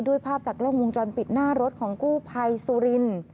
ภาพจากกล้องวงจรปิดหน้ารถของกู้ภัยสุรินทร์